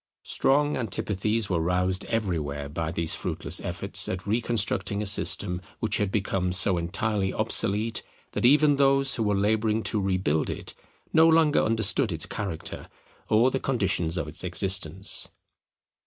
Strong antipathies were roused everywhere by these fruitless efforts at reconstructing a system which had become so entirely obsolete, that even those who were labouring to rebuild it no longer understood its character or the conditions of its existence.